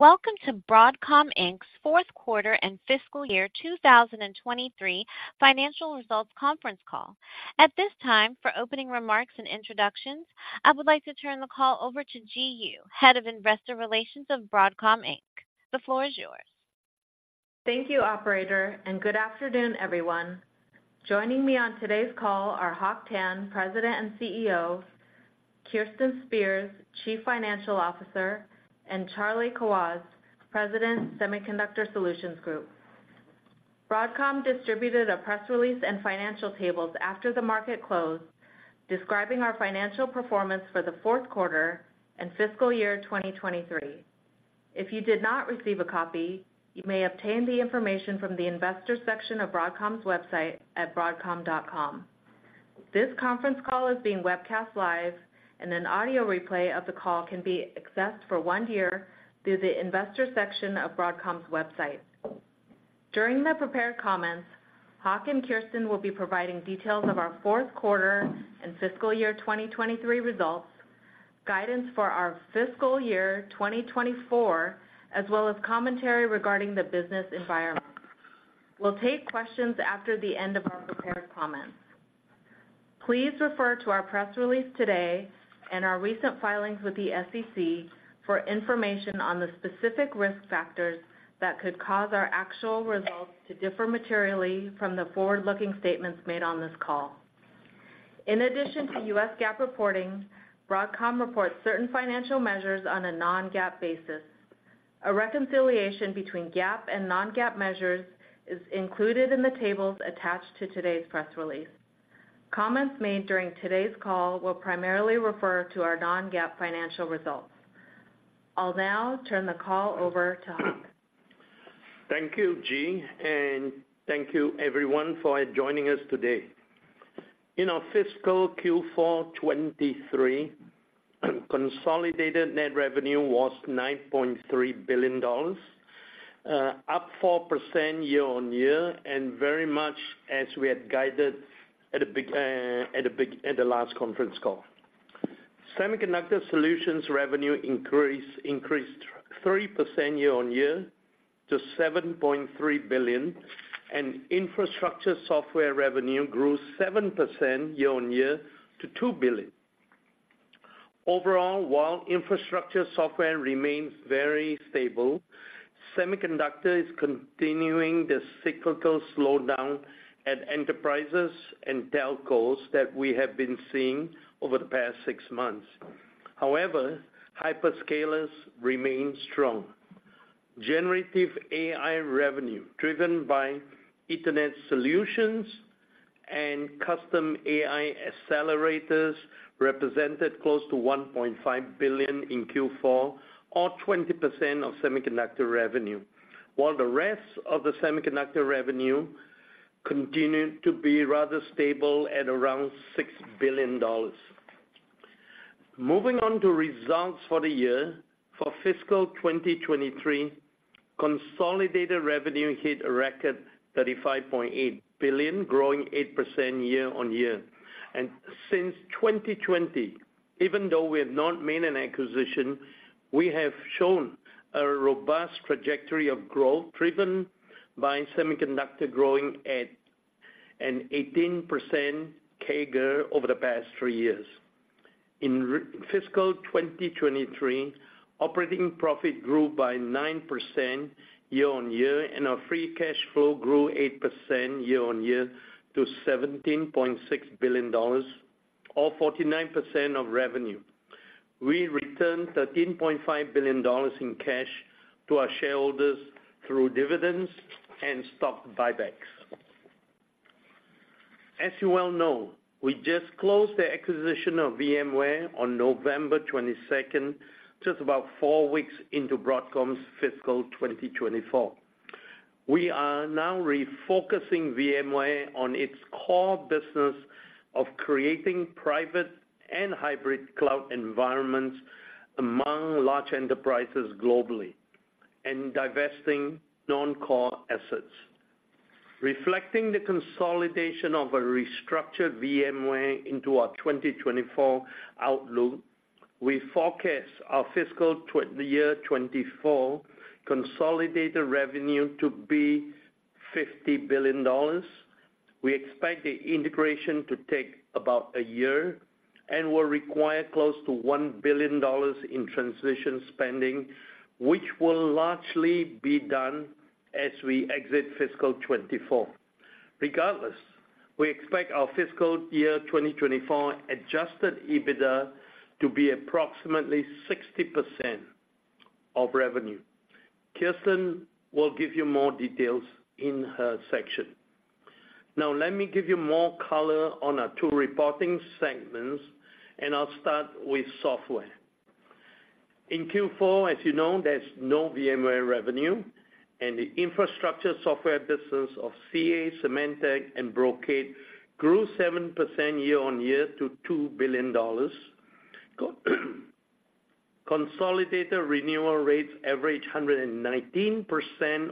Welcome to Broadcom Inc.'s fourth quarter and fiscal year 2023 financial results conference call. At this time, for opening remarks and introductions, I would like to turn the call over to Ji Yoo, Head of Investor Relations of Broadcom Inc. The floor is yours. Thank you, operator, and good afternoon, everyone. Joining me on today's call are Hock Tan, President and CEO, Kirsten Spears, Chief Financial Officer, and Charlie Kawwas, President, Semiconductor Solutions Group. Broadcom distributed a press release and financial tables after the market closed, describing our financial performance for the fourth quarter and fiscal year 2023. If you did not receive a copy, you may obtain the information from the investors section of Broadcom's website at broadcom.com. This conference call is being webcast live, and an audio replay of the call can be accessed for one year through the investor section of Broadcom's website. During the prepared comments, Hock and Kirsten will be providing details of our fourth quarter and fiscal year 2023 results, guidance for our fiscal year 2024, as well as commentary regarding the business environment. We'll take questions after the end of our prepared comments. Please refer to our press release today and our recent filings with the SEC for information on the specific risk factors that could cause our actual results to differ materially from the forward-looking statements made on this call. In addition to U.S. GAAP reporting, Broadcom reports certain financial measures on a non-GAAP basis. A reconciliation between GAAP and non-GAAP measures is included in the tables attached to today's press release. Comments made during today's call will primarily refer to our non-GAAP financial results. I'll now turn the call over to Hock. Thank you, Ji, and thank you everyone for joining us today. In our fiscal Q4 2023, consolidated net revenue was $9.3 billion, up 4% year-over-year, and very much as we had guided at the last conference call. Semiconductor Solutions revenue increased 3% year-over-year to $7.3 billion, and infrastructure software revenue grew 7% year-over-year to $2 billion. Overall, while infrastructure software remains very stable, semiconductor is continuing the cyclical slowdown at enterprises and telcos that we have been seeing over the past six months. However, hyperscalers remain strong. Generative AI revenue, driven by Ethernet solutions and custom AI accelerators, represented close to $1.5 billion in Q4, or 20% of semiconductor revenue, while the rest of the semiconductor revenue continued to be rather stable at around $6 billion. Moving on to results for the year. For fiscal 2023, consolidated revenue hit a record $35.8 billion, growing 8% year-on-year. Since 2020, even though we have not made an acquisition, we have shown a robust trajectory of growth driven by semiconductor growing at an 18% CAGR over the past three years. In fiscal 2023, operating profit grew by 9% year-on-year, and our free cash flow grew 8% year-on-year to $17.6 billion, or 49% of revenue. We returned $13.5 billion in cash to our shareholders through dividends and stock buybacks. As you well know, we just closed the acquisition of VMware on November 22, just about 4 weeks into Broadcom's fiscal 2024. We are now refocusing VMware on its core business of creating private and hybrid cloud environments among large enterprises globally and divesting non-core assets. Reflecting the consolidation of a restructured VMware into our 2024 outlook, we forecast our fiscal year 2024 consolidated revenue to be $50 billion. We expect the integration to take about a year and will require close to $1 billion in transition spending, which will largely be done as we exit fiscal 2024. Regardless, we expect our fiscal year 2024 adjusted EBITDA to be approximately 60% of revenue. Kirsten will give you more details in her section. Now, let me give you more color on our two reporting segments, and I'll start with software. In Q4, as you know, there's no VMware revenue, and the infrastructure software business of CA, Symantec, and Brocade grew 7% year-on-year to $2 billion. Consolidated renewal rates averaged 119%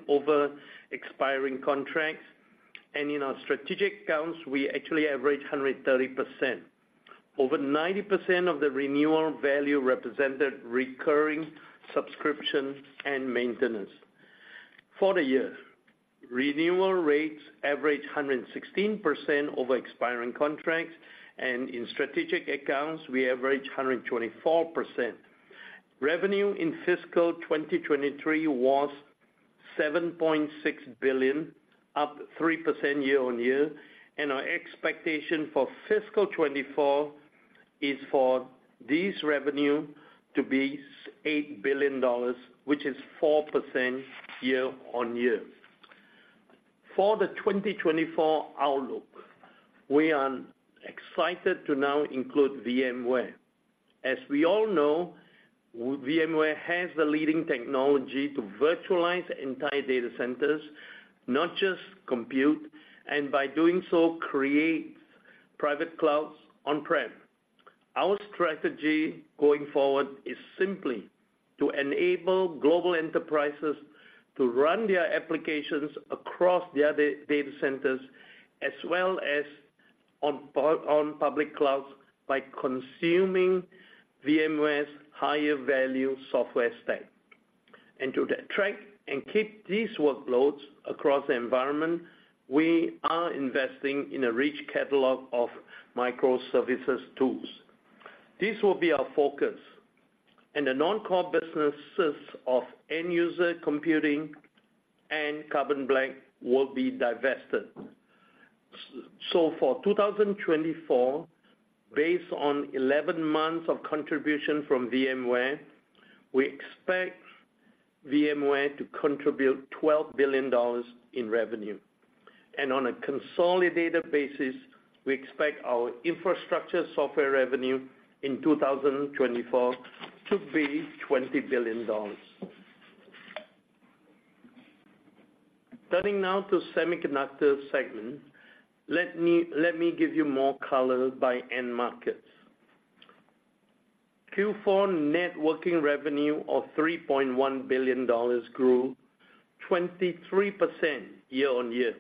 over expiring contracts, and in our strategic accounts, we actually averaged 130%.... Over 90% of the renewal value represented recurring subscription and maintenance. For the year, renewal rates averaged 116% over expiring contracts, and in strategic accounts, we averaged 124%. Revenue in fiscal 2023 was $7.6 billion, up 3% year-on-year, and our expectation for fiscal 2024 is for this revenue to be $8 billion, which is 4% year-on-year. For the 2024 outlook, we are excited to now include VMware. As we all know, VMware has the leading technology to virtualize entire data centers, not just compute, and by doing so, creates private clouds on-prem. Our strategy going forward is simply to enable global enterprises to run their applications across their data centers, as well as on public clouds, by consuming VMware's higher value software stack. And to track and keep these workloads across the environment, we are investing in a rich catalog of microservices tools. This will be our focus, and the non-core businesses of End-User Computing and Carbon Black will be divested. So for 2024, based on 11 months of contribution from VMware, we expect VMware to contribute $12 billion in revenue. And on a consolidated basis, we expect our infrastructure software revenue in 2024 to be $20 billion. Turning now to semiconductor segment. Let me give you more color by end markets. Q4 networking revenue of $3.1 billion grew 23% year-on-year,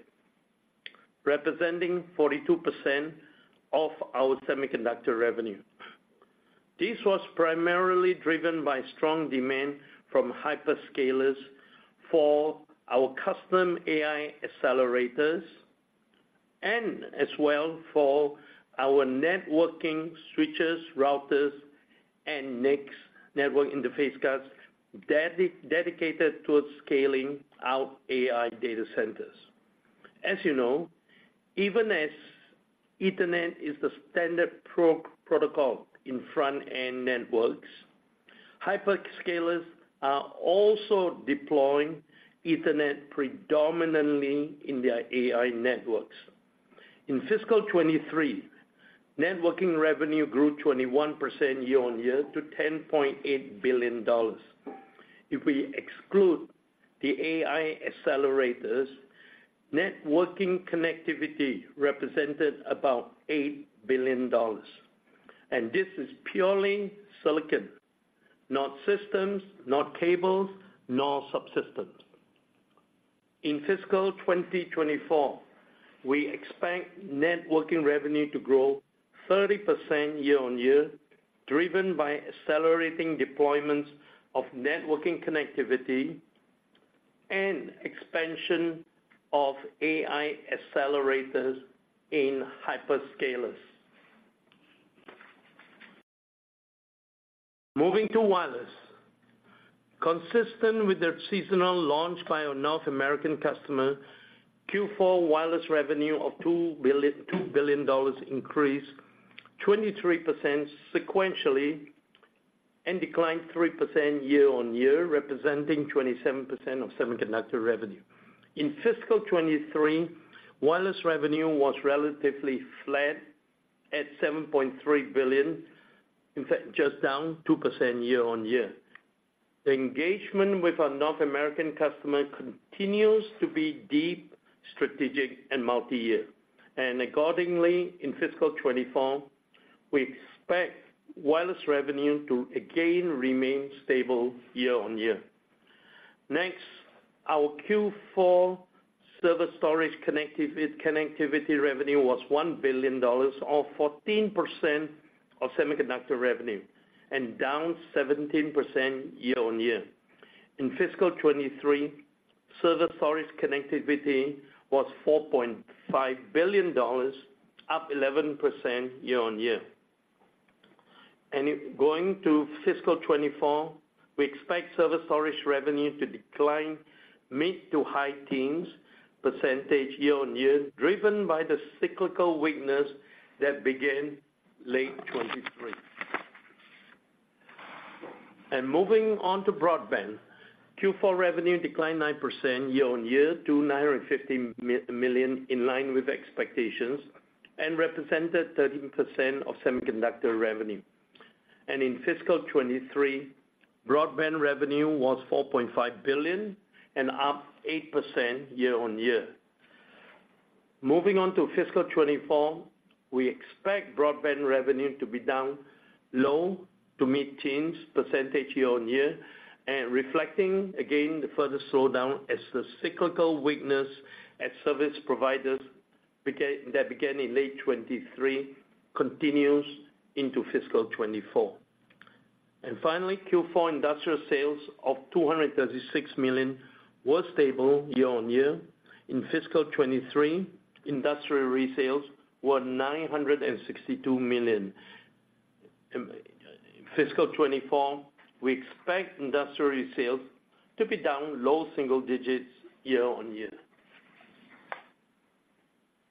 representing 42% of our semiconductor revenue. This was primarily driven by strong demand from hyperscalers for our custom AI accelerators, and as well for our networking switches, routers, and NICs, network interface cards, dedicated towards scaling out AI data centers. As you know, even as Ethernet is the standard protocol in front-end networks, hyperscalers are also deploying Ethernet predominantly in their AI networks. In fiscal 2023, networking revenue grew 21% year-on-year to $10.8 billion. If we exclude the AI accelerators, networking connectivity represented about $8 billion, and this is purely silicon, not systems, not cables, nor subsystems. In fiscal 2024, we expect networking revenue to grow 30% year-on-year, driven by accelerating deployments of networking connectivity and expansion of AI accelerators in hyperscalers. Moving to wireless. Consistent with the seasonal launch by our North American customer, Q4 wireless revenue of $2 billion increased 23% sequentially and declined 3% year-on-year, representing 27% of semiconductor revenue. In fiscal 2023, wireless revenue was relatively flat at $7.3 billion, in fact, just down 2% year-on-year. The engagement with our North American customer continues to be deep, strategic and multi-year. Accordingly, in fiscal 2024, we expect wireless revenue to again remain stable year-on-year. Next, our Q4 server storage connectivity revenue was $1 billion, or 14% of semiconductor revenue, and down 17% year-on-year. In fiscal 2023, server storage connectivity was $4.5 billion, up 11% year-on-year. Going to fiscal 2024, we expect server storage revenue to decline mid- to high-teens% year-on-year, driven by the cyclical weakness that began late 2023. Moving on to broadband. Q4 revenue declined 9% year-on-year to $950 million, in line with expectations, and represented 13% of semiconductor revenue. In fiscal 2023, broadband revenue was $4.5 billion and up 8% year-on-year. Moving on to fiscal 2024, we expect broadband revenue to be down low- to mid-teens% year-on-year, and reflecting again the further slowdown as the cyclical weakness at service providers that began in late 2023 continues into fiscal 2024. Finally, Q4 industrial sales of $236 million were stable year-on-year. In fiscal 2023, industrial resales were $962 million. In fiscal 2024, we expect industrial resales to be down low-single-digits year-on-year.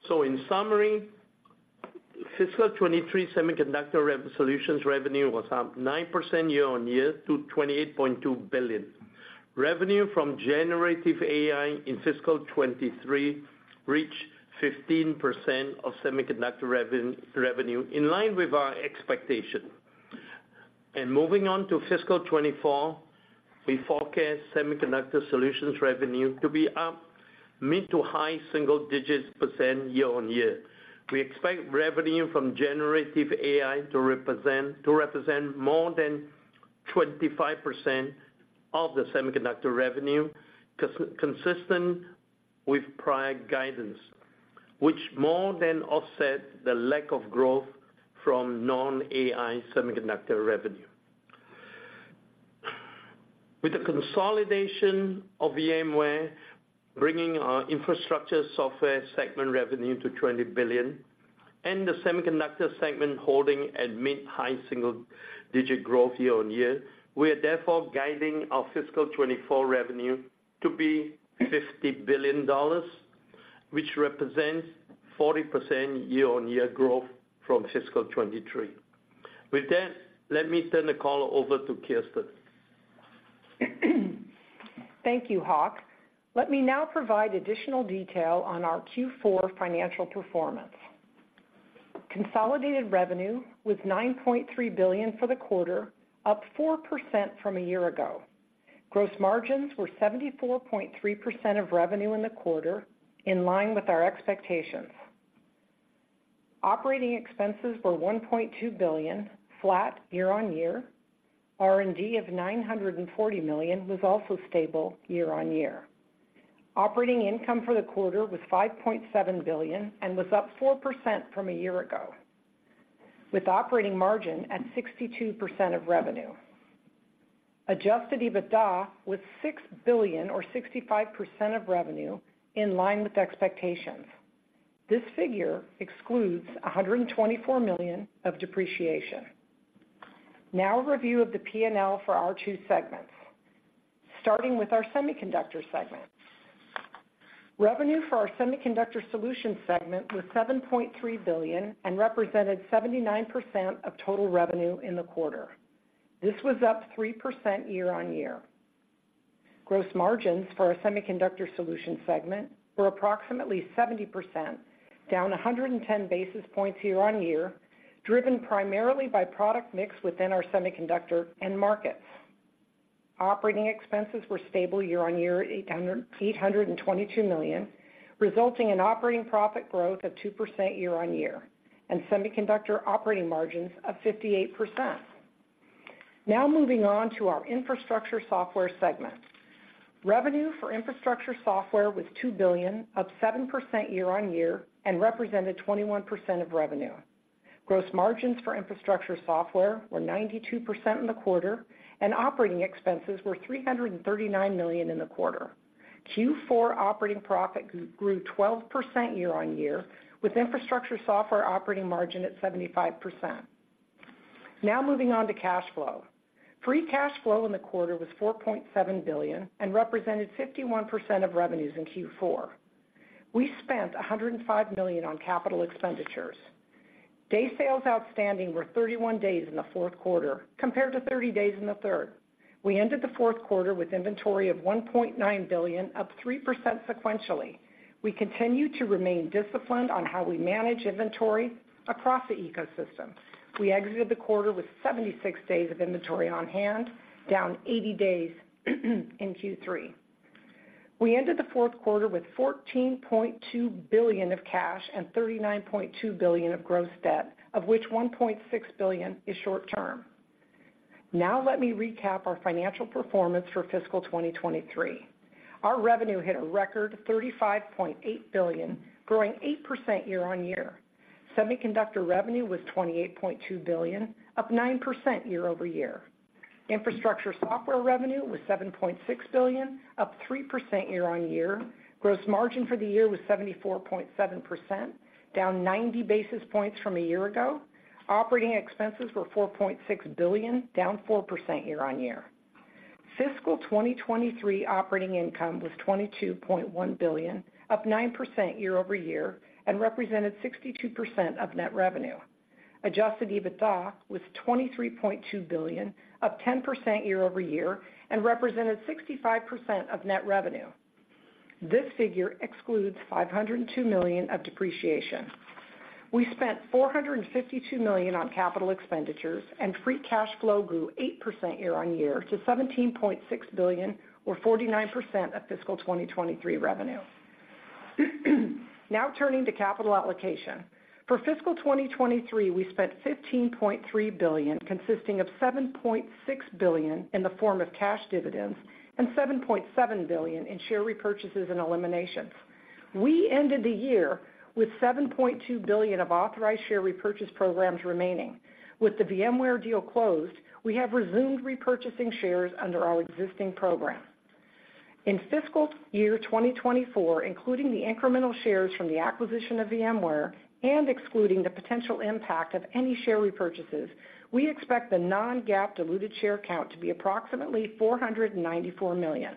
So in summary, fiscal 2023 Semiconductor Solutions revenue was up 9% year-on-year to $28.2 billion. Revenue from generative AI in fiscal 2023 reached 15% of semiconductor revenue, in line with our expectation. And moving on to fiscal 2024, we forecast Semiconductor Solutions revenue to be up mid- to high-single-digits % year-on-year. We expect revenue from generative AI to represent more than 25% of the semiconductor revenue, consistent with prior guidance, which more than offset the lack of growth from non-AI semiconductor revenue. With the consolidation of VMware, bringing our infrastructure software segment revenue to $20 billion, and the semiconductor segment holding at mid-high single-digit growth year-on-year, we are therefore guiding our fiscal 2024 revenue to be $50 billion, which represents 40% year-on-year growth from fiscal 2023. With that, let me turn the call over to Kirsten. Thank you, Hock. Let me now provide additional detail on our Q4 financial performance. Consolidated revenue was $9.3 billion for the quarter, up 4% from a year ago. Gross margins were 74.3% of revenue in the quarter, in line with our expectations. Operating expenses were $1.2 billion, flat year-on-year. R&D of $940 million was also stable year-on-year. Operating income for the quarter was $5.7 billion and was up 4% from a year ago, with operating margin at 62% of revenue. Adjusted EBITDA was $6 billion or 65% of revenue, in line with expectations. This figure excludes $124 million of depreciation. Now, a review of the P&L for our two segments. Starting with our Semiconductor segment. Revenue for our Semiconductor Solutions segment was $7.3 billion and represented 79% of total revenue in the quarter. This was up 3% year-on-year. Gross margins for our Semiconductor Solutions segment were approximately 70%, down 110 basis points year-on-year, driven primarily by product mix within our semiconductor end markets. Operating expenses were stable year-on-year, $822 million, resulting in operating profit growth of 2% year-on-year, and semiconductor operating margins of 58%. Now moving on to our Infrastructure Software segment. Revenue for Infrastructure Software was $2 billion, up 7% year-on-year, and represented 21% of revenue. Gross margins for Infrastructure Software were 92% in the quarter, and operating expenses were $339 million in the quarter. Q4 operating profit grew 12% year-on-year, with Infrastructure Software operating margin at 75%. Now moving on to cash flow. Free cash flow in the quarter was $4.7 billion and represented 51% of revenues in Q4. We spent $105 million on capital expenditures. Days Sales Outstanding were 31 days in the fourth quarter, compared to 30 days in the third. We ended the fourth quarter with inventory of $1.9 billion, up 3% sequentially. We continue to remain disciplined on how we manage inventory across the ecosystem. We exited the quarter with 76 days of inventory on hand, down 80 days in Q3. We ended the fourth quarter with $14.2 billion of cash and $39.2 billion of gross debt, of which $1.6 billion is short term. Now, let me recap our financial performance for fiscal 2023. Our revenue hit a record $35.8 billion, growing 8% year-on-year. Semiconductor revenue was $28.2 billion, up 9% year-over-year. Infrastructure Software revenue was $7.6 billion, up 3% year-over-year. Gross margin for the year was 74.7%, down 90 basis points from a year ago. Operating expenses were $4.6 billion, down 4% year-over-year. Fiscal 2023 operating income was $22.1 billion, up 9% year-over-year, and represented 62% of net revenue. Adjusted EBITDA was $23.2 billion, up 10% year-over-year, and represented 65% of net revenue. This figure excludes $502 million of depreciation. We spent $452 million on capital expenditures, and free cash flow grew 8% year-over-year to $17.6 billion, or 49% of fiscal 2023 revenue. Now turning to capital allocation. For fiscal 2023, we spent $15.3 billion, consisting of $7.6 billion in the form of cash dividends and $7.7 billion in share repurchases and eliminations. We ended the year with $7.2 billion of authorized share repurchase programs remaining. With the VMware deal closed, we have resumed repurchasing shares under our existing program. In fiscal year 2024, including the incremental shares from the acquisition of VMware and excluding the potential impact of any share repurchases, we expect the non-GAAP diluted share count to be approximately 494 million.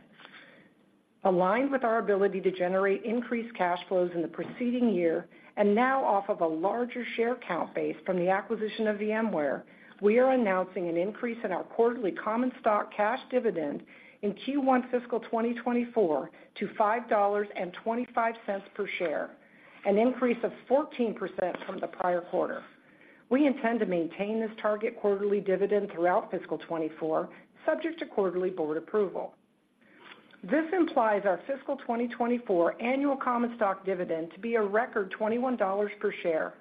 Aligned with our ability to generate increased cash flows in the preceding year, and now off of a larger share count base from the acquisition of VMware, we are announcing an increase in our quarterly common stock cash dividend in Q1 fiscal 2024 to $5.25 per share, an increase of 14% from the prior quarter. We intend to maintain this target quarterly dividend throughout fiscal 2024, subject to quarterly board approval. This implies our fiscal 2024 annual common stock dividend to be a record $21 per share.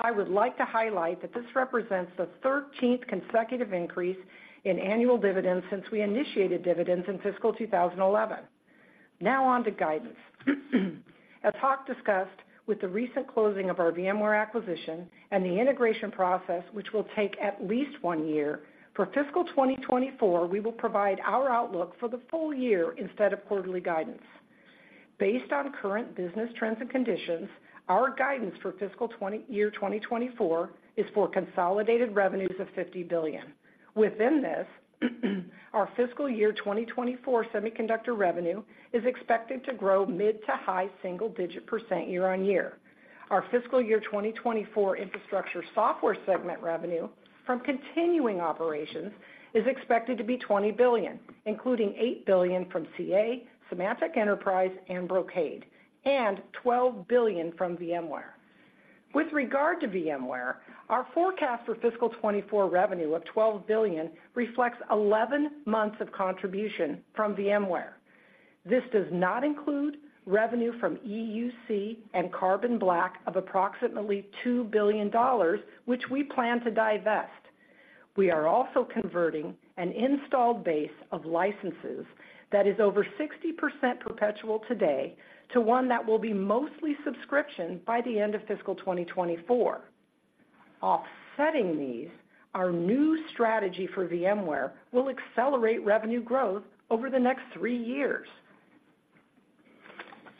I would like to highlight that this represents the 13th consecutive increase in annual dividends since we initiated dividends in fiscal 2011. Now on to guidance. As Hock discussed, with the recent closing of our VMware acquisition and the integration process, which will take at least one year, for fiscal 2024, we will provide our outlook for the full year instead of quarterly guidance. Based on current business trends and conditions, our guidance for fiscal 2024 is for consolidated revenues of $50 billion. Within this, our fiscal year 2024 semiconductor revenue is expected to grow mid- to high-single-digit % year-on-year. Our fiscal year 2024 infrastructure software segment revenue from continuing operations is expected to be $20 billion, including $8 billion from CA, Symantec Enterprise and Brocade, and $12 billion from VMware. With regard to VMware, our forecast for fiscal 2024 revenue of $12 billion reflects 11 months of contribution from VMware. This does not include revenue from EUC and Carbon Black of approximately $2 billion, which we plan to divest. We are also converting an installed base of licenses that is over 60% perpetual today, to one that will be mostly subscription by the end of fiscal 2024. Offsetting these, our new strategy for VMware will accelerate revenue growth over the next three years.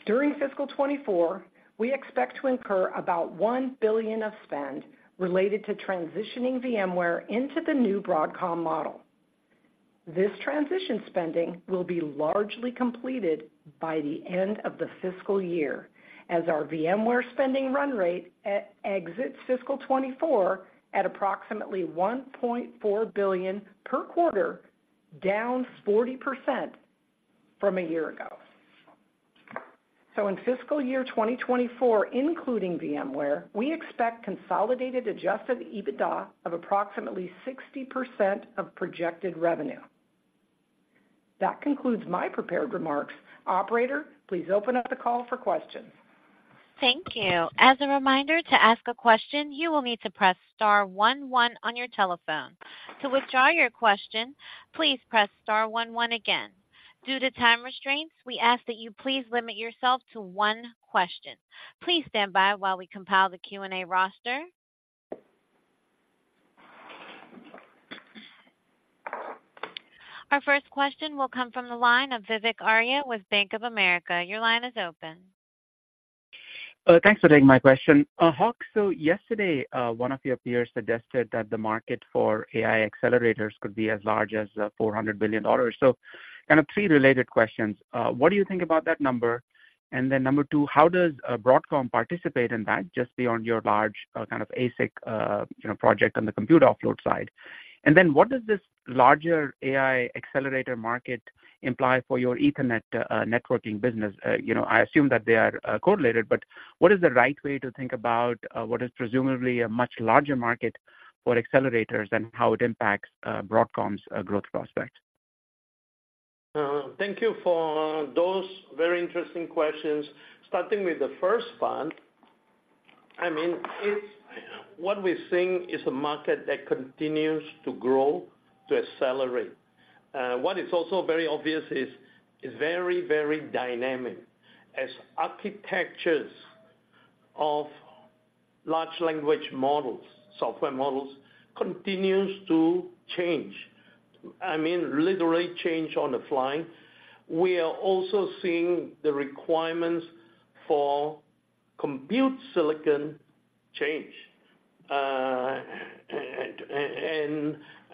During fiscal 2024, we expect to incur about $1 billion of spend related to transitioning VMware into the new Broadcom model. This transition spending will be largely completed by the end of the fiscal year, as our VMware spending run rate exits fiscal 2024 at approximately $1.4 billion per quarter, down 40% from a year ago. So in fiscal year 2024, including VMware, we expect consolidated adjusted EBITDA of approximately 60% of projected revenue. That concludes my prepared remarks. Operator, please open up the call for questions. Thank you. As a reminder, to ask a question, you will need to press star one, one on your telephone. To withdraw your question, please press star one, one again. Due to time restraints, we ask that you please limit yourself to one question. Please stand by while we compile the Q&A roster. Our first question will come from the line of Vivek Arya with Bank of America. Your line is open. Thanks for taking my question. Hock, so yesterday, one of your peers suggested that the market for AI accelerators could be as large as $400 billion. So kind of three related questions. What do you think about that number? And then number two, how does Broadcom participate in that, just beyond your large kind of ASIC, you know, project on the compute offload side? And then what does this larger AI accelerator market imply for your Ethernet networking business? You know, I assume that they are correlated, but what is the right way to think about what is presumably a much larger market for accelerators and how it impacts Broadcom's growth prospects? Thank you for those very interesting questions. Starting with the first one, I mean, it's what we're seeing is a market that continues to grow, to accelerate. What is also very obvious is, it's very, very dynamic. As architectures of large language models, software models, continues to change, I mean, literally change on the fly. We are also seeing the requirements for compute silicon change. And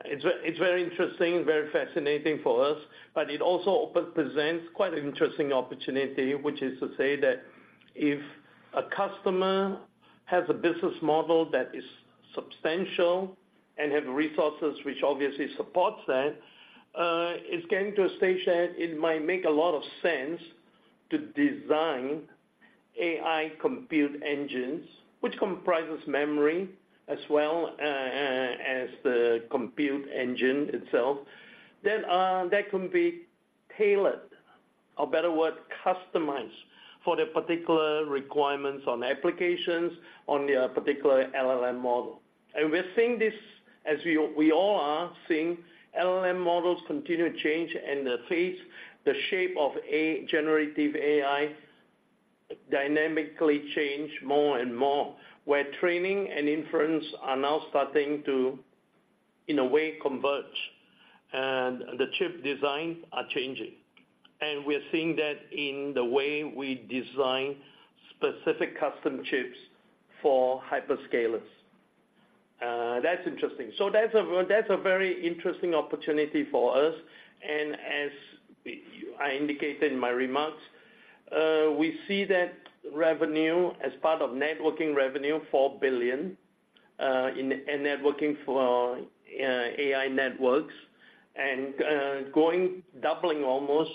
it's very interesting, very fascinating for us, but it also presents quite an interesting opportunity, which is to say that if a customer has a business model that is substantial and have resources which obviously supports that, it's getting to a stage that it might make a lot of sense to design AI compute engines, which comprises memory as well, as the compute engine itself, that can be tailored. A better word, customized for the particular requirements on applications, on their particular LLM model. And we're seeing this as we all are seeing LLM models continue to change, and the phase, the shape of Generative AI dynamically change more and more, where training and inference are now starting to, in a way, converge, and the chip designs are changing. And we are seeing that in the way we design specific custom chips for hyperscalers. That's interesting. So that's a very interesting opportunity for us. And as I indicated in my remarks, we see that revenue as part of networking revenue, $4 billion in networking for AI networks, and going doubling almost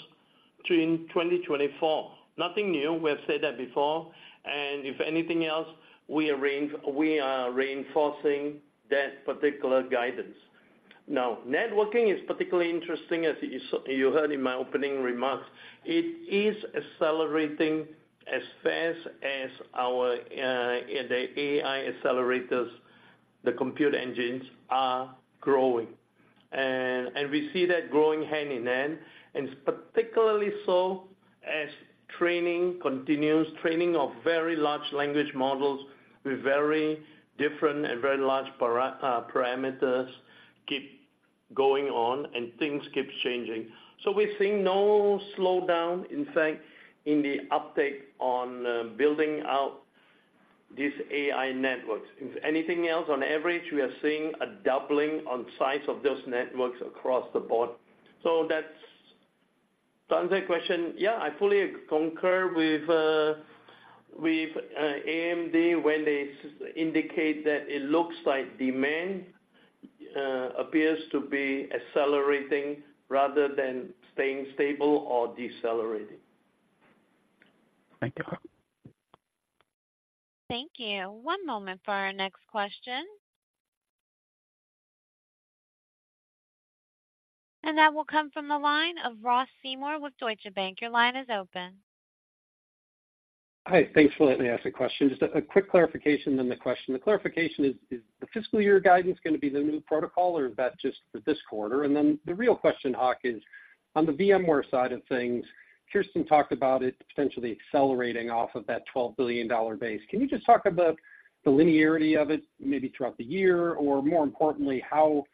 to in 2024. Nothing new. We have said that before, and if anything else, we are reinforcing that particular guidance. Now, networking is particularly interesting, as you heard in my opening remarks. It is accelerating as fast as our, the AI accelerators, the compute engines are growing. And we see that growing hand in hand, and particularly so as training continues, training of very large language models with very different and very large parameters keep going on and things keep changing. So we're seeing no slowdown, in fact, in the uptake on, building out these AI networks. If anything else, on average, we are seeing a doubling on size of those networks across the board. So that's - to answer your question, yeah, I fully concur with AMD when they indicate that it looks like demand, appears to be accelerating rather than staying stable or decelerating. Thank you. Thank you. One moment for our next question. That will come from the line of Ross Seymore with Deutsche Bank. Your line is open. Hi, thanks for letting me ask a question. Just a quick clarification, then the question. The clarification is, is the fiscal year guidance going to be the new protocol, or is that just for this quarter? And then the real question, Hock, is on the VMware side of things, Kirsten talked about it potentially accelerating off of that $12 billion base. Can you just talk about the linearity of it, maybe throughout the year, or more importantly, how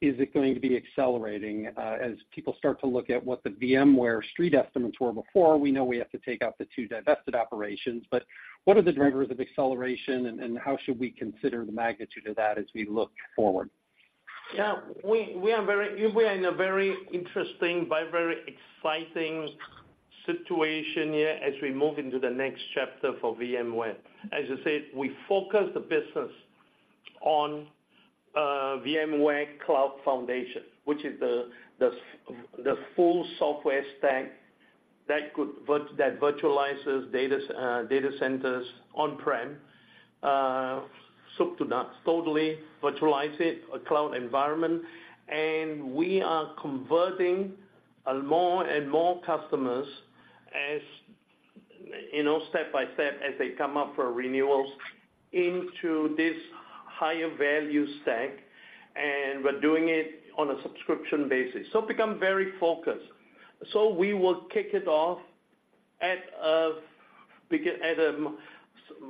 is it going to be accelerating, as people start to look at what the VMware street estimates were before? We know we have to take out the two divested operations, but what are the drivers of acceleration and, and how should we consider the magnitude of that as we look forward? Yeah, we are in a very interesting but very exciting situation here as we move into the next chapter for VMware. As I said, we focus the business on VMware Cloud Foundation, which is the full software stack that virtualizes data centers on-prem, so to not totally virtualize it, a cloud environment. And we are converting more and more customers as, you know, step by step, as they come up for renewals into this higher value stack, and we're doing it on a subscription basis. So become very focused. So we will kick it off at a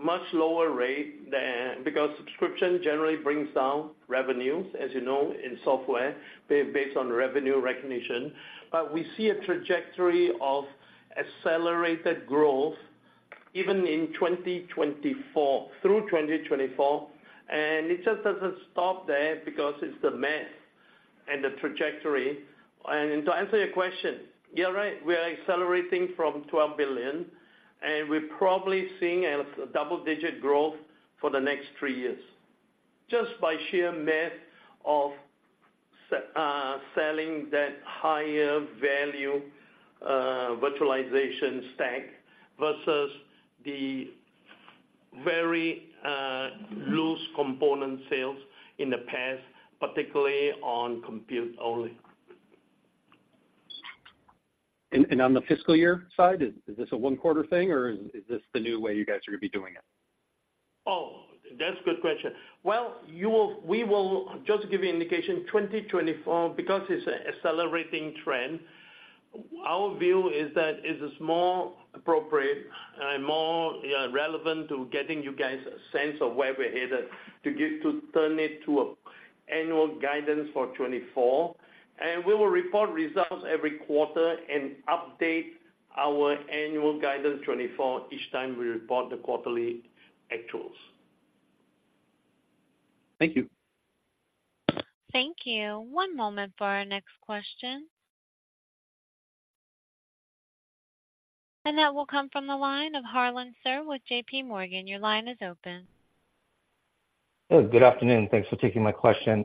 much lower rate than because subscription generally brings down revenues, as you know, in software, based on revenue recognition. But we see a trajectory of accelerated growth even in 2024, through 2024, and it just doesn't stop there because it's the math and the trajectory. And to answer your question, you're right, we are accelerating from $12 billion, and we're probably seeing a double-digit growth for the next three years, just by sheer math of selling that higher value virtualization stack versus the very loose component sales in the past, particularly on compute only. And on the fiscal year side, is this a one quarter thing, or is this the new way you guys are going to be doing it? Oh, that's a good question. Well, you will - we will just give you indication, 2024, because it's an accelerating trend, our view is that it's more appropriate and more relevant to getting you guys a sense of where we're headed to give, to turn it to annual guidance for 2024. And we will report results every quarter and update our annual guidance 2024 each time we report the quarterly actuals. Thank you. Thank you. One moment for our next question. That will come from the line of Harlan Sur with JP Morgan. Your line is open. Hello, good afternoon. Thanks for taking my question.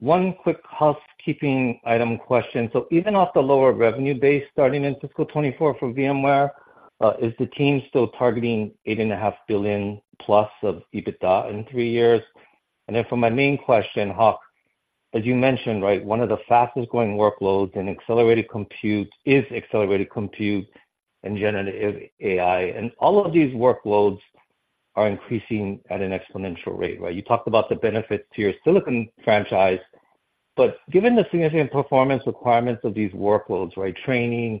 One quick housekeeping item question. So even off the lower revenue base starting in fiscal 2024 for VMware, is the team still targeting $8.5 billion+ of EBITDA in three years? And then for my main question, as you mentioned, right, one of the fastest growing workloads in accelerated compute is accelerated compute and generative AI. And all of these workloads are increasing at an exponential rate, right? You talked about the benefits to your silicon franchise, but given the significant performance requirements of these workloads, right, training,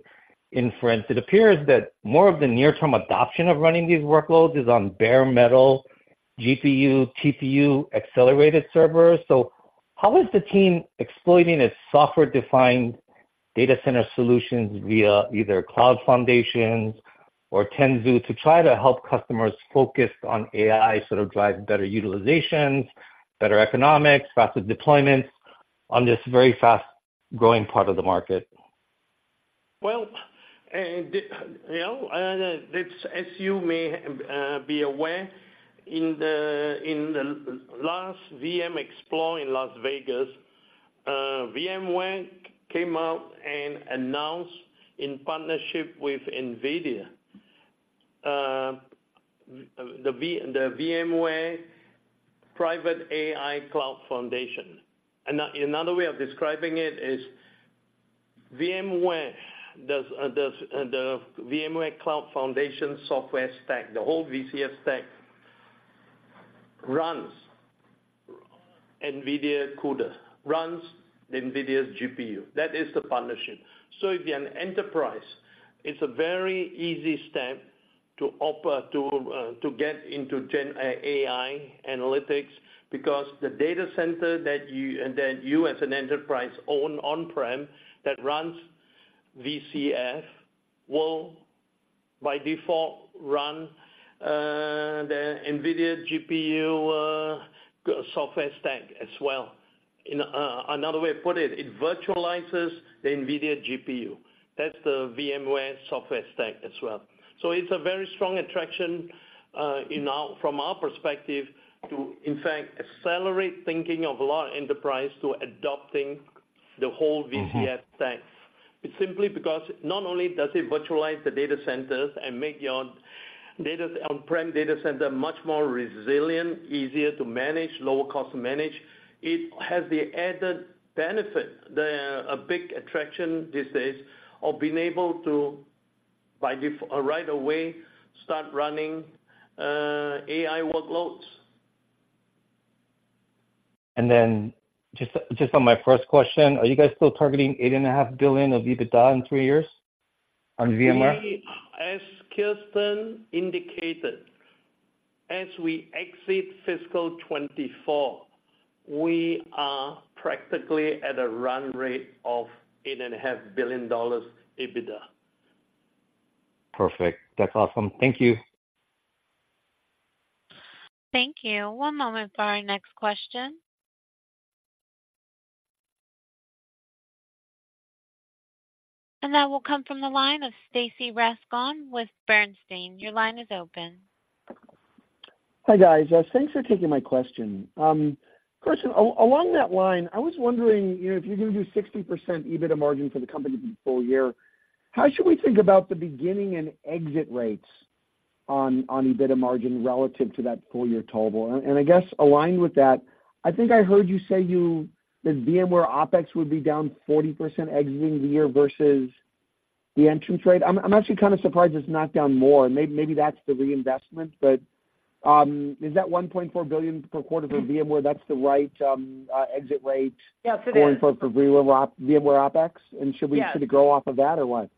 inference, it appears that more of the near-term adoption of running these workloads is on bare metal, GPU, TPU, accelerated servers. How is the team exploiting its software-defined data center solutions via either cloud foundations or Tanzu to try to help customers focus on AI, sort of, drive better utilizations, better economics, faster deployments on this very fast-growing part of the market? Well, you know, this, as you may be aware, in the last VM Explore in Las Vegas, VMware came out and announced in partnership with NVIDIA, the VMware Private AI Cloud Foundation. Another way of describing it is VMware, the VMware Cloud Foundation software stack, the whole VCF stack, runs NVIDIA CUDA, runs NVIDIA's GPU. That is the partnership. So if you're an enterprise, it's a very easy step to offer to get into GenAI analytics, because the data center that you as an enterprise own on-prem that runs VCF, will, by default, run the NVIDIA GPU software stack as well. In another way to put it, it virtualizes the NVIDIA GPU. That's the VMware software stack as well. So it's a very strong attraction, from our perspective, to in fact accelerate thinking of a lot of enterprises to adopting the whole VCF stack. It's simply because not only does it virtualize the data centers and make your on-prem data center much more resilient, easier to manage, lower cost to manage, it has the added benefit, a big attraction these days, of being able to by default right away start running AI workloads. And then just on my first question, are you guys still targeting $8.5 billion of EBITDA in three years on VMware? We, as Kirsten indicated, as we exit fiscal 2024, we are practically at a run rate of $8.5 billion EBITDA. Perfect. That's awesome. Thank you. Thank you. One moment for our next question. That will come from the line of Stacy Rasgon with Bernstein. Your line is open. Hi, guys. Thanks for taking my question. Kirsten, along that line, I was wondering, you know, if you're going to do 60% EBITDA margin for the company full year, how should we think about the beginning and exit rates on EBITDA margin relative to that full year total? And I guess aligned with that, I think I heard you say that VMware OpEx would be down 40% exiting the year versus the entrance rate. I'm actually kind of surprised it's not down more. Maybe that's the reinvestment, but is that $1.4 billion per quarter for VMware? That's the right exit rate- Yes, it is. going for, for VMware OpEx? Yes. Should we sort of grow off of that or what?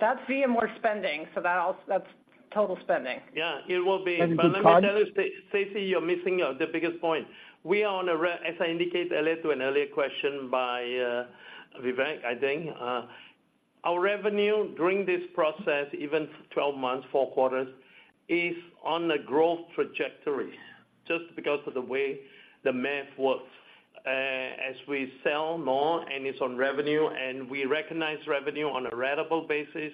That's VMware spending, so that's total spending. Yeah, it will be. Just card- But let me tell you, Stacy, you're missing the biggest point. We are on a, as I indicated earlier to an earlier question by Vivek, our revenue during this process, even 12 months, four quarters, is on a growth trajectory just because of the way the math works. As we sell more and it's on revenue, and we recognize revenue on a ratable basis,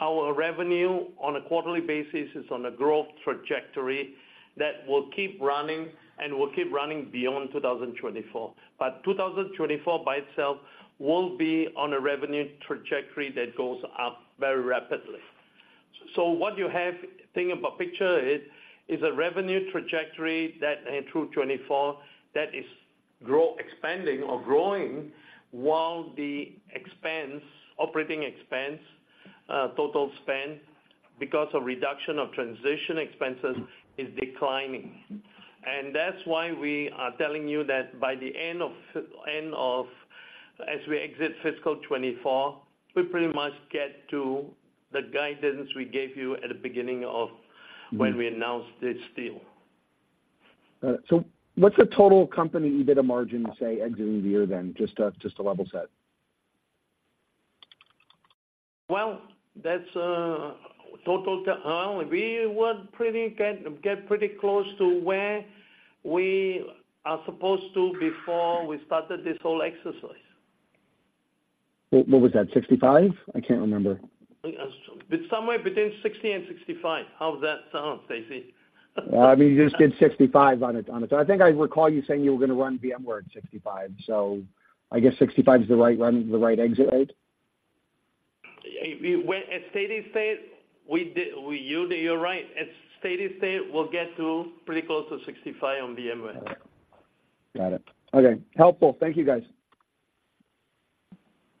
our revenue on a quarterly basis is on a growth trajectory that will keep running and will keep running beyond 2024. But 2024 by itself, will be on a revenue trajectory that goes up very rapidly. So what you have, think about picture, it is a revenue trajectory that through 2024, that is expanding or growing, while the expense, operating expense, total spend, because of reduction of transition expenses, is declining. And that's why we are telling you that by the end of, as we exit fiscal 2024, we pretty much get to the guidance we gave you at the beginning of when we announced this deal. So, what's the total company EBITDA margin, say, exiting the year then? Just to level set. Well, that's a total. We were pretty get pretty close to where we are supposed to before we started this whole exercise. What was that, 65? I can't remember. Somewhere between 60 and 65. How does that sound, Stacy? I mean, you just did 65 on it, on it. So I think I recall you saying you were going to run VMware at 65, so I guess 65 is the right run, the right exit rate?... At steady state, you're right. At steady state, we'll get to pretty close to 65 on VMware. Got it. Okay, helpful. Thank you, guys.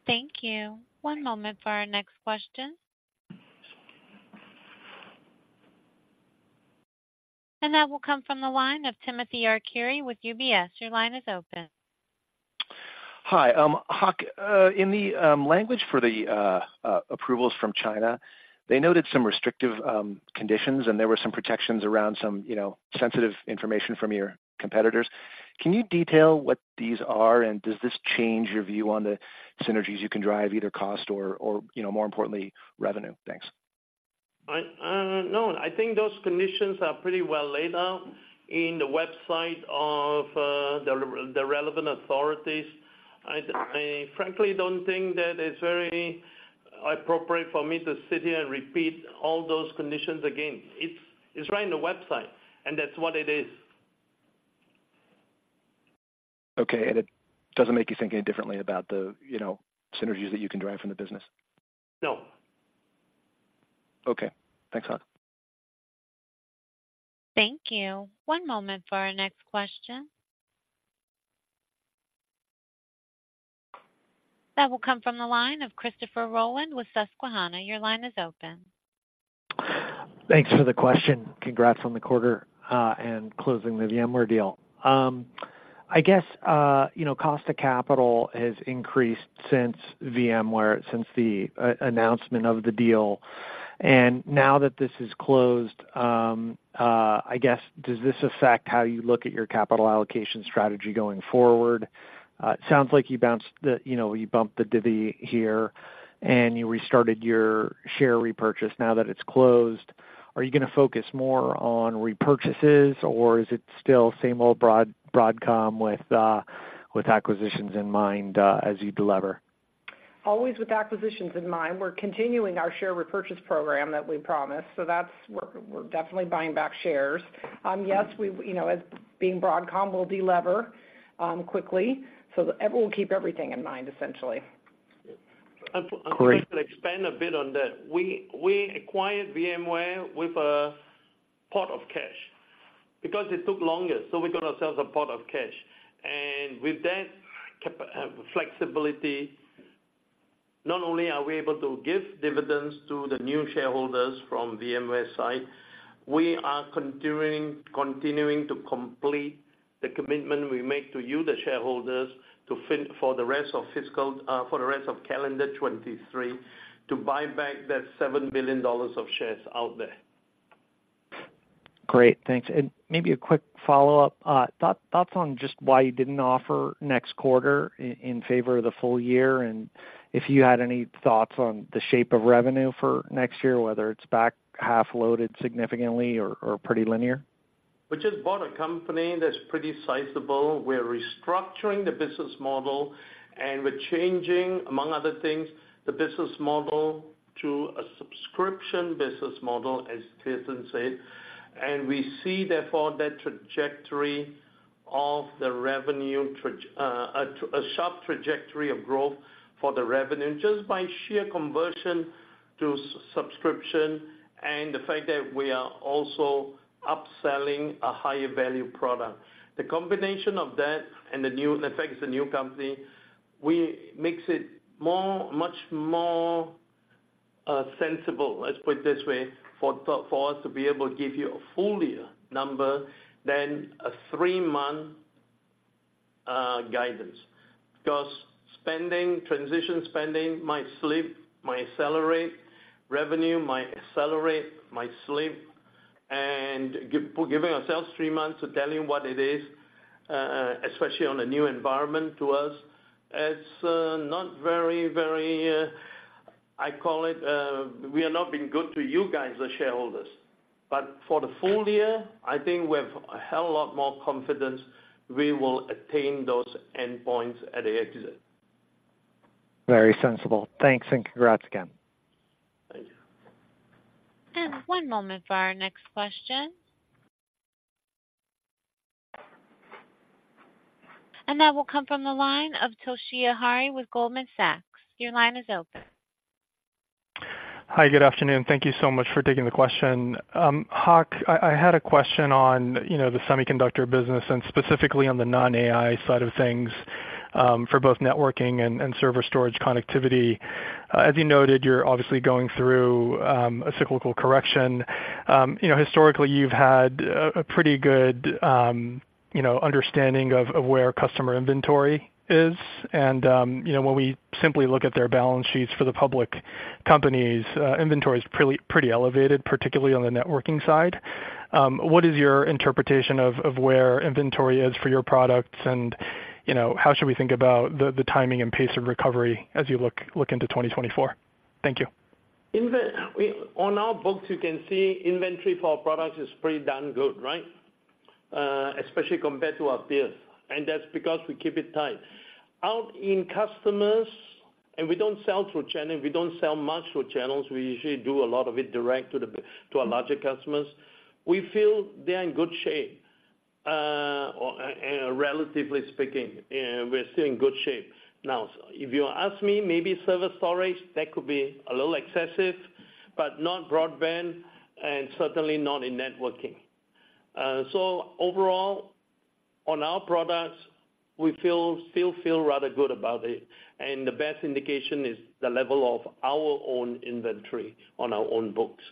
Thank you. One moment for our next question. That will come from the line of Timothy Arcuri with UBS. Your line is open. Hi, Hock, in the language for the approvals from China, they noted some restrictive conditions, and there were some protections around some, you know, sensitive information from your competitors. Can you detail what these are, and does this change your view on the synergies you can drive, either cost or, or, you know, more importantly, revenue? Thanks. No, I think those conditions are pretty well laid out in the website of the relevant authorities. I frankly don't think that it's very appropriate for me to sit here and repeat all those conditions again. It's right on the website, and that's what it is. Okay, and it doesn't make you think any differently about the, you know, synergies that you can drive from the business? No. Okay. Thanks, Hock. Thank you. One moment for our next question. That will come from the line of Christopher Rowland with Susquehanna. Your line is open. Thanks for the question. Congrats on the quarter, and closing the VMware deal. I guess, you know, cost of capital has increased since VMware, since the announcement of the deal, and now that this is closed, I guess, does this affect how you look at your capital allocation strategy going forward? It sounds like you bounced the, you know, you bumped the divvy here, and you restarted your share repurchase now that it's closed. Are you gonna focus more on repurchases, or is it still same old Broadcom with acquisitions in mind, as you deliver? Always with acquisitions in mind, we're continuing our share repurchase program that we promised, so we're definitely buying back shares. Yes, you know, as being Broadcom, we'll deliver quickly, so we'll keep everything in mind, essentially. Great. I'd like to expand a bit on that. We acquired VMware with a pot of cash because it took longer, so we got ourselves a pot of cash. And with that cash flexibility, not only are we able to give dividends to the new shareholders from VMware side, we are continuing to complete the commitment we make to you, the shareholders, for the rest of fiscal, for the rest of calendar 2023, to buy back that $7 billion of shares out there. Great, thanks. And maybe a quick follow-up. Thoughts on just why you didn't offer next quarter in favor of the full year, and if you had any thoughts on the shape of revenue for next year, whether it's back half loaded significantly or pretty linear? We just bought a company that's pretty sizable. We're restructuring the business model, and we're changing, among other things, the business model to a subscription business model, as Kirsten said. And we see, therefore, that trajectory of the revenue, a sharp trajectory of growth for the revenue, just by sheer conversion to subscription and the fact that we are also upselling a higher value product. The combination of that and the new, the effects of the new company, we makes it more, much more, sensible, let's put it this way, for us to be able to give you a full year number than a three-month guidance. Because spending, transition spending might slip, might accelerate, revenue might accelerate, might slip. Giving ourselves three months to tell you what it is, especially on a new environment to us, it's not very, very, I call it, we are not being good to you guys, the shareholders. For the full year, I think we have a hell of a lot more confidence we will attain those endpoints at the exit. Very sensible. Thanks, and congrats again. Thank you. One moment for our next question. That will come from the line of Toshiya Hari with Goldman Sachs. Your line is open. Hi, good afternoon. Thank you so much for taking the question. Hock, I had a question on, you know, the semiconductor business and specifically on the non-AI side of things, for both networking and server storage connectivity. As you noted, you're obviously going through a cyclical correction. You know, historically, you've had a pretty good, you know, understanding of where customer inventory is. And, you know, when we simply look at their balance sheets for the public companies, inventory is pretty elevated, particularly on the networking side. What is your interpretation of where inventory is for your products? And, you know, how should we think about the timing and pace of recovery as you look into 2024? Thank you. Inventory on our books, you can see inventory for our products is pretty darn good, right? Especially compared to our peers, and that's because we keep it tight. Out in customers, and we don't sell through channels, we don't sell much through channels, we usually do a lot of it direct to our larger customers. We feel they are in good shape, and relatively speaking, we're still in good shape. Now, if you ask me, maybe server storage, that could be a little excessive, but not broadband, and certainly not in networking. So overall, on our products, we feel, still feel rather good about it, and the best indication is the level of our own inventory on our own books.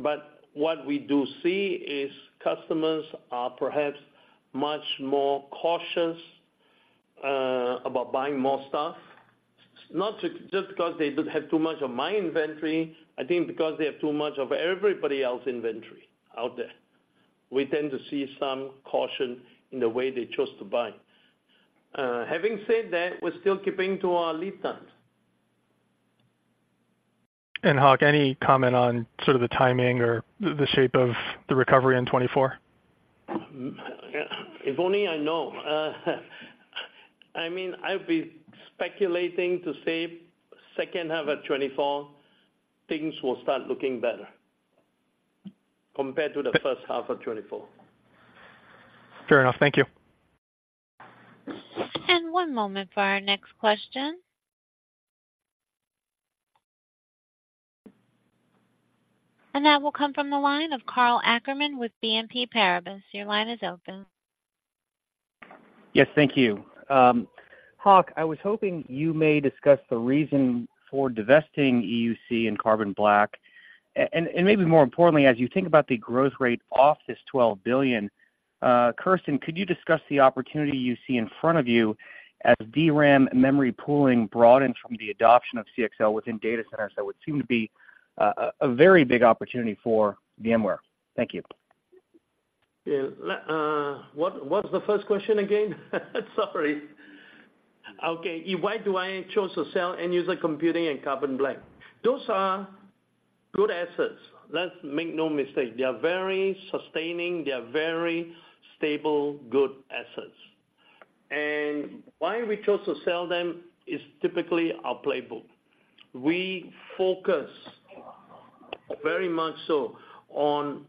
But what we do see is customers are perhaps much more cautious about buying more stuff. Not just because they don't have too much of my inventory, I think because they have too much of everybody else inventory out there. We tend to see some caution in the way they chose to buy. Having said that, we're still keeping to our lead times. Hock, any comment on sort of the timing or the shape of the recovery in 2024? If only I know. I mean, I'd be speculating to say second half of 2024, things will start looking better compared to the first half of 2024. Fair enough. Thank you. One moment for our next question. That will come from the line of Karl Ackerman with BNP Paribas. Your line is open. Yes, thank you. Hock, I was hoping you may discuss the reason for divesting EUC and Carbon Black. And maybe more importantly, as you think about the growth rate off this $12 billion, Kirsten, could you discuss the opportunity you see in front of you as DRAM memory pooling broadened from the adoption of CXL within data centers? That would seem to be a very big opportunity for VMware. Thank you. Yeah. What's the first question again? Sorry. Okay. Why do I chose to sell End-User Computing and Carbon Black? Those are good assets. Let's make no mistake. They are very sustaining, they are very stable, good assets. And why we chose to sell them is typically our playbook. We focus very much so on,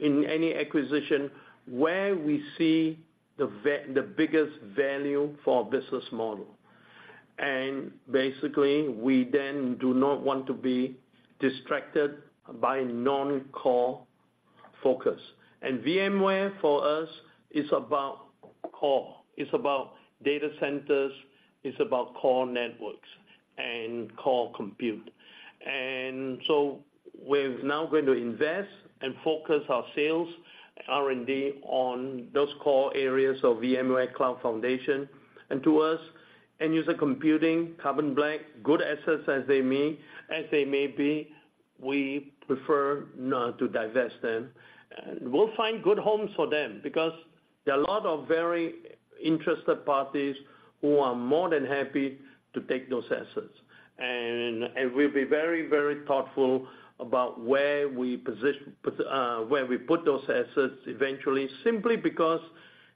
in any acquisition, where we see the biggest value for our business model. And basically, we then do not want to be distracted by non-core focus. And VMware, for us, is about core. It's about data centers, it's about core networks and core compute. And so we've now going to invest and focus our sales R&D on those core areas of VMware Cloud Foundation. And to us, End-User Computing, Carbon Black, good assets as they may, as they may be, we prefer to divest them. We'll find good homes for them because there are a lot of very interested parties who are more than happy to take those assets. And we'll be very, very thoughtful about where we position where we put those assets eventually, simply because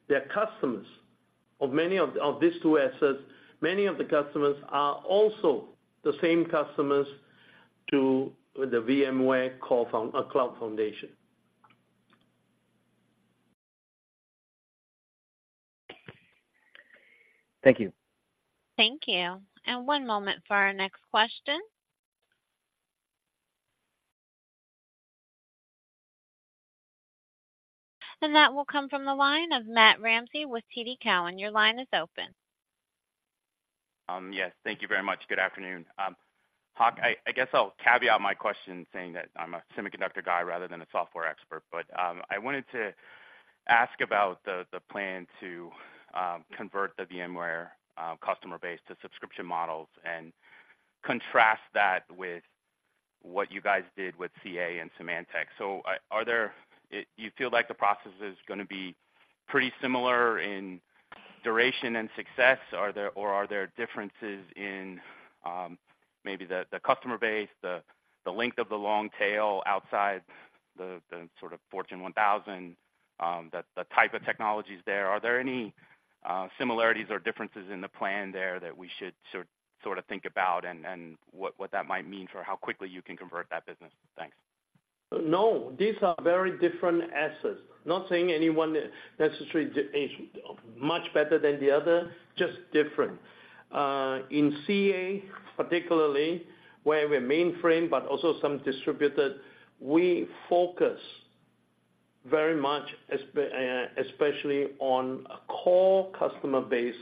the customers of many of these two assets, many of the customers are also the same customers to the VMware Cloud Foundation. Thank you. Thank you. And one moment for our next question. And that will come from the line of Matt Ramsay with TD Cowen. Your line is open. Yes, thank you very much. Good afternoon. Hock, I guess I'll caveat my question, saying that I'm a semiconductor guy rather than a software expert. But I wanted to ask about the plan to convert the VMware customer base to subscription models and contrast that with what you guys did with CA and Symantec. So, are there -- you feel like the process is gonna be pretty similar in duration and success? Are there, or are there differences in maybe the customer base, the length of the long tail outside the sort of Fortune 1000, the type of technologies there? Are there any similarities or differences in the plan there that we should sort of think about, and what that might mean for how quickly you can convert that business? Thanks. No, these are very different assets. Not saying anyone necessary is much better than the other, just different. In CA, particularly, where we're mainframe, but also some distributed, we focus very much especially on a core customer base,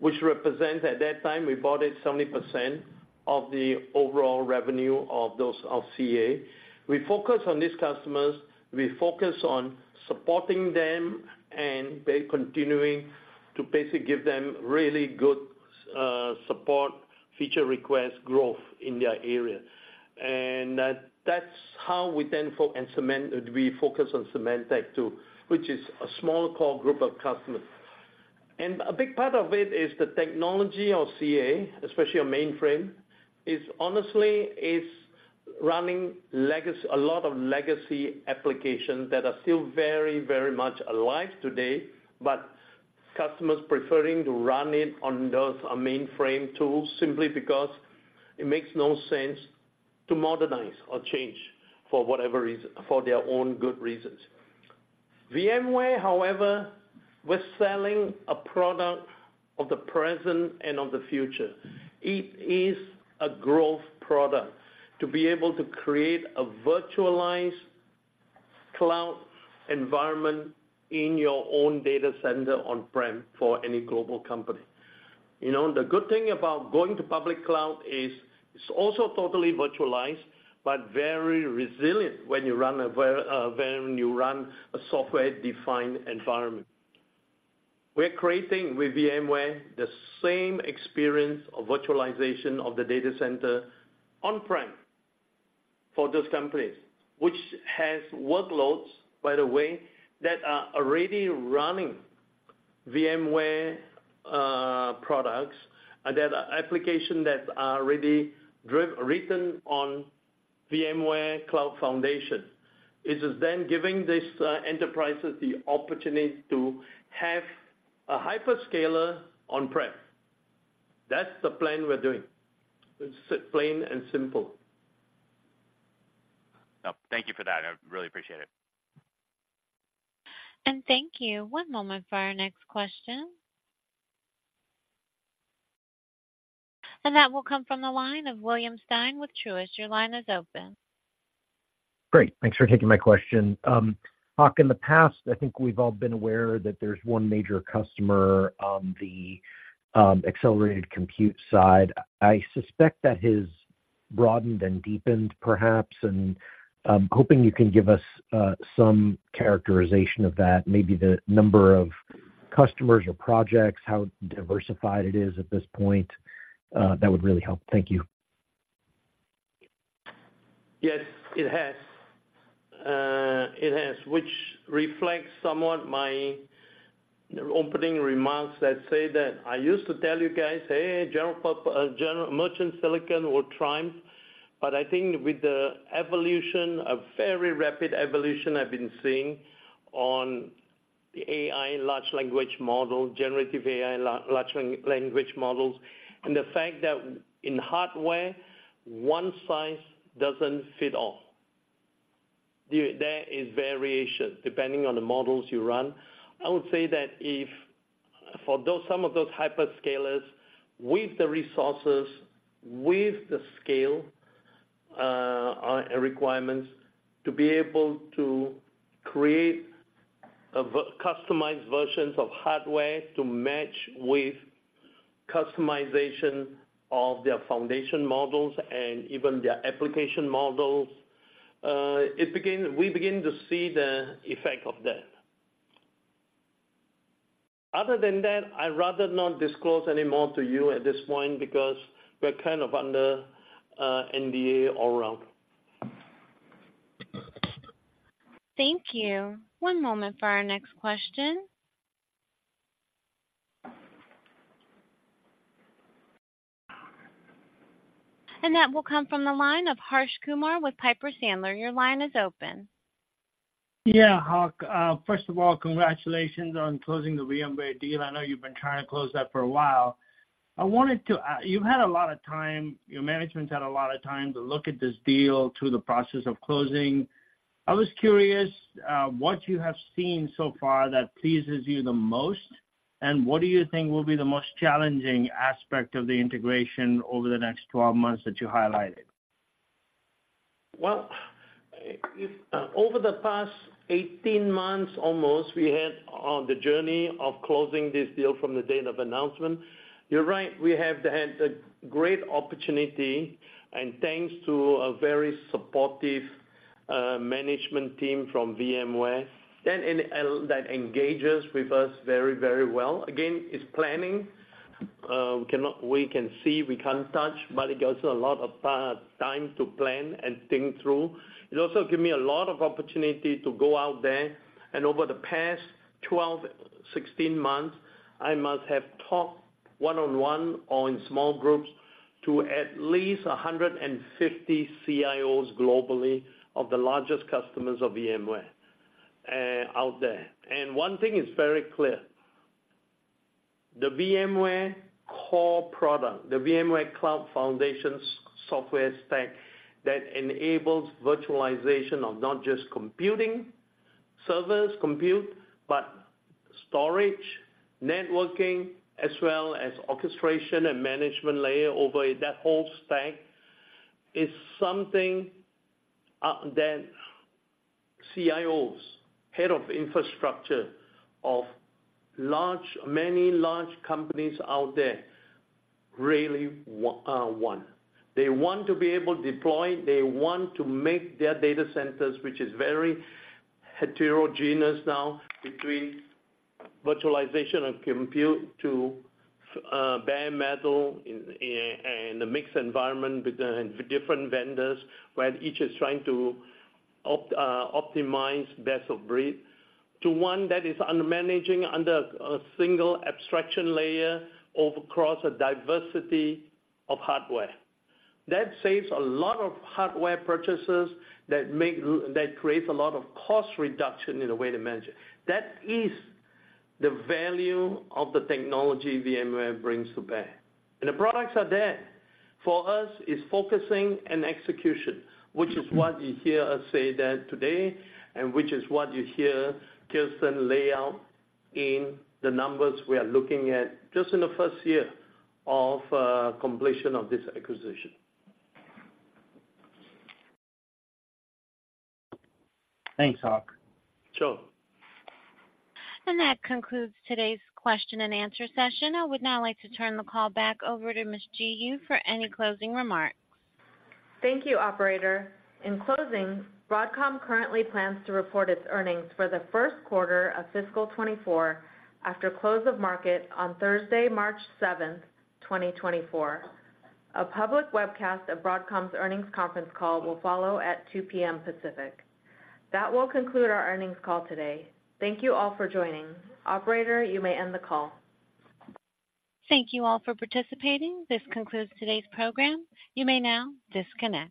which represents, at that time, we bought it 70% of the overall revenue of those, of CA. We focus on these customers, we focus on supporting them and by continuing to basically give them really good support, feature requests, growth in their area. And that, that's how we then focus on Symantec, too, which is a small core group of customers. And a big part of it is the technology of CA, especially on mainframe, is honestly, is running legacy, a lot of legacy applications that are still very, very much alive today, but-... customers preferring to run it on those, our mainframe tools, simply because it makes no sense to modernize or change for whatever reason, for their own good reasons. VMware, however, we're selling a product of the present and of the future. It is a growth product to be able to create a virtualized cloud environment in your own data center on-prem for any global company. You know, the good thing about going to public cloud is it's also totally virtualized, but very resilient when you run a software-defined environment. We're creating with VMware, the same experience of virtualization of the data center on-prem for those companies, which has workloads, by the way, that are already running VMware products, and there are applications that are already written on VMware Cloud Foundation. It is then giving these enterprises the opportunity to have a hyperscaler on-prem. That's the plan we're doing. It's plain and simple. Oh, thank you for that. I really appreciate it. Thank you. One moment for our next question. That will come from the line of William Stein with Truist. Your line is open. Great. Thanks for taking my question. Hock, in the past, I think we've all been aware that there's one major customer on the accelerated compute side. I suspect that has broadened and deepened, perhaps, and I'm hoping you can give us some characterization of that, maybe the number of customers or projects, how diversified it is at this point. That would really help. Thank you. Yes, it has. It has, which reflects somewhat my opening remarks that say that I used to tell you guys, "Hey, general pop, general merchant, silicon or Triumph," but I think with the evolution, a very rapid evolution I've been seeing on the AI large language model, generative AI large language models, and the fact that in hardware, one size doesn't fit all. There is variation depending on the models you run. I would say that if for those, some of those hyperscalers, with the resources, with the scale, and requirements to be able to create customized versions of hardware to match with customization of their foundation models and even their application models, we begin to see the effect of that. Other than that, I'd rather not disclose any more to you at this point because we're kind of under NDA all around. Thank you. One moment for our next question. That will come from the line of Harsh Kumar with Piper Sandler. Your line is open. Yeah, Hock, first of all, congratulations on closing the VMware deal. I know you've been trying to close that for a while. You've had a lot of time, your management's had a lot of time to look at this deal through the process of closing. I was curious, what you have seen so far that pleases you the most, and what do you think will be the most challenging aspect of the integration over the next 12 months that you highlighted? Well, if over the past 18 months almost, we had on the journey of closing this deal from the date of announcement. You're right, we have had a great opportunity, and thanks to a very supportive management team from VMware, and, and that engages with us very, very well. Again, it's planning. We cannot - we can see, we can't touch, but it gives us a lot of time to plan and think through. It also give me a lot of opportunity to go out there, and over the past 12, 16 months, I must have talked one-on-one or in small groups to at least 150 CIOs globally, of the largest customers of VMware out there. And one thing is very clear, the VMware core product, the VMware Cloud Foundation software stack, that enables virtualization of not just computing, servers, compute, but storage, networking, as well as orchestration and management layer over that whole stack, is something that CIOs, head of infrastructure, of large, many large companies out there really want. They want to be able to deploy, they want to make their data centers, which is very heterogeneous now between virtualization and compute to bare metal in a mixed environment with different vendors, where each is trying to optimize best of breed, to one that is under managing under a single abstraction layer across a diversity of hardware. That saves a lot of hardware purchases that make, that creates a lot of cost reduction in the way they manage it. That is the value of the technology VMware brings to bear. And the products are there. For us, it's focusing and execution, which is what you hear us say that today, and which is what you hear Kirsten lay out in the numbers we are looking at, just in the first year of completion of this acquisition. Thanks, Hock. Sure. That concludes today's question and answer session. I would now like to turn the call back over to Ms. Ji Yoo for any closing remarks. Thank you, operator. In closing, Broadcom currently plans to report its earnings for the first quarter of fiscal 2024 after close of market on Thursday, March 7, 2024. A public webcast of Broadcom's earnings conference call will follow at 2:00 P.M. Pacific. That will conclude our earnings call today. Thank you all for joining. Operator, you may end the call. Thank you all for participating. This concludes today's program. You may now disconnect.